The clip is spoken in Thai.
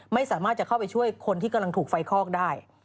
ไม่สามารถจะเข้าไปช่วยคนที่กำลังถูกไฟคลอกได้